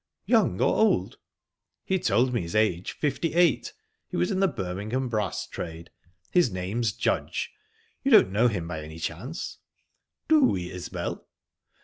Young or old?" "He told me his age fifty eight. He was in the Birmingham brass trade. His name's Judge. You don't know him by any chance?" "Do we, Isbel?"